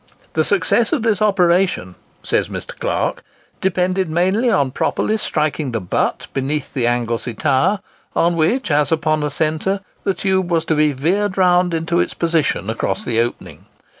"The success of this operation," says Mr. Clark, "depended mainly on properly striking the 'butt' beneath the Anglesey tower, on which, as upon a centre, the tube was to be veered round into its position across the opening.